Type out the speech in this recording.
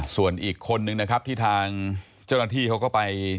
ส่วนอีกคนนึงนะครับที่ทางเจ้าหน้าที่เขาก็ไป